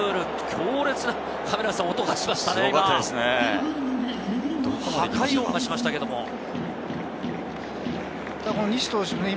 強烈な音がしましたね。